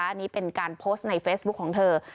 อันนี้เป็นการโพสต์ในเฟซบุ๊คของเธอ